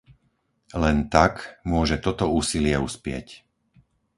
Len tak môže toto úsilie uspieť.